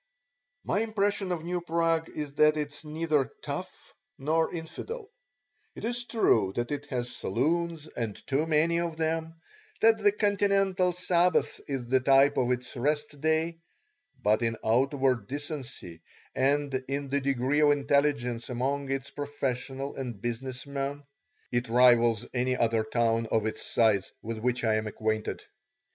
My impression of New Prague is that it is neither "tough" nor infidel; it is true that it has saloons and too many of them, that the Continental Sabbath is the type of its rest day, but in outward decency and in the degree of intelligence among its professional and business men, it rivals any other town of its size with which I am acquainted.